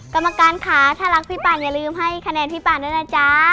กรรมการค่ะถ้ารักพี่ป่านอย่าลืมให้คะแนนพี่ป่านด้วยนะจ๊ะ